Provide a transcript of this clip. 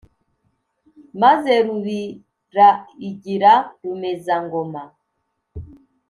maze rubira igira rumeza-ngoma